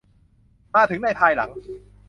มาถึงในภายหลัง